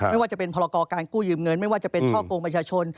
ไม่ว่าจะเป็นพรกรการกู้ยืมเงินไม่ว่าจะเป็นช่อกงประชาชน